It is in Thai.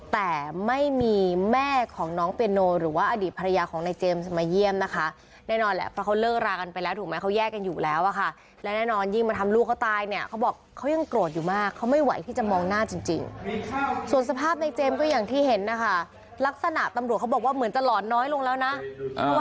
แต่ไม่มีแม่ของน้องเปียโนหรือว่าอดีตภรรยาของนายเจมส์มาเยี่ยมนะคะแน่นอนแหละเพราะเขาเลิกรากันไปแล้วถูกไหมเขาแยกกันอยู่แล้วอะค่ะและแน่นอนยิ่งมาทำลูกเขาตายเนี่ยเขาบอกเขายังโกรธอยู่มากเขาไม่ไหวที่จะมองหน้าจริงส่วนสภาพในเจมส์ก็อย่างที่เห็นนะคะลักษณะตำรวจเขาบอกว่าเหมือนจะหลอนน้อยลงแล้วนะ